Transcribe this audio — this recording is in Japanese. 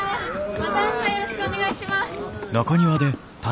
また明日よろしくお願いします。